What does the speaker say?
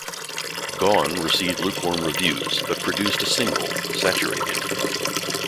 "Gone" received lukewarm reviews, but produced a single, "Saturated".